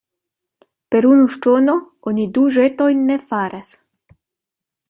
Per unu ŝtono oni du ĵetojn ne faras.